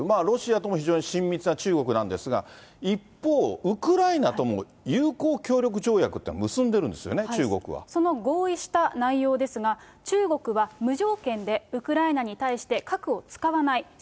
ロシアとも非常に親密な中国なんですが、一方、ウクライナとも友好協力条約というのを結んでるんですよね、中国その合意した内容ですが、中国は無条件でウクライナに対して、核を使わない。